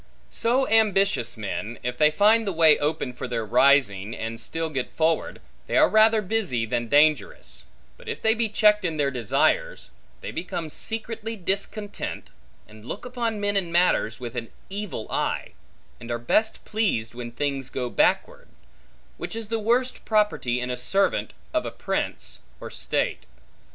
So ambitious men, if they find the way open for their rising, and still get forward, they are rather busy than dangerous; but if they be checked in their desires, they become secretly discontent, and look upon men and matters with an evil eye, and are best pleased, when things go backward; which is the worst property in a servant of a prince, or state.